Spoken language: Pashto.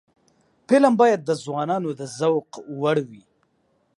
فلم باید د ځوانانو د ذوق وړ وي